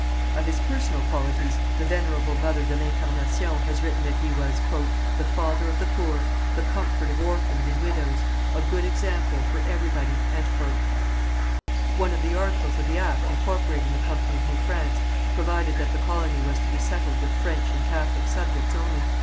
Of his personal qualities, the Venerable Mother de l'Incarnation has written that he was "the father of the poor, the comfort of orphans and widows, a good example for everybody." One of the articles of the act incorporating the Company of New France, provided that the colony was to be settled with French and Catholic subjects only.